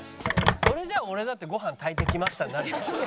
それじゃ俺だって「ご飯炊いてきました」になるよ。